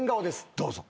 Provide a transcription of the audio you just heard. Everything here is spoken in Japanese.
どうぞ。